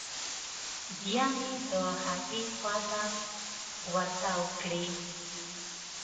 بيا مې د هغې خوا ته ورتو کړې.